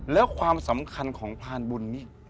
แล้วความสำคัญของพรานบุญนี่